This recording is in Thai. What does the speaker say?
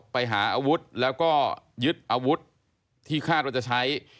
ไปหาอาวุธแล้วก็ยึดอาวุธที่คาดว่าจะใช้